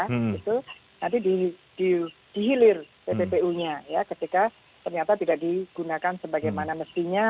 itu nanti dihilir pppu nya ya ketika ternyata tidak digunakan sebagaimana mestinya